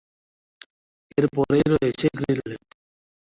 এর পরেই রয়েছে গ্রিনল্যান্ড।